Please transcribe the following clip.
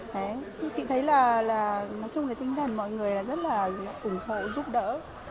thì chị thấy là nói chung là tinh thần mọi người rất là ủng hộ giúp đỡ